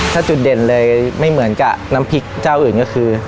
ถ้าจุดเด่นเลยไม่เหมือนกับน้ำพริกเจ้าอื่นก็คือ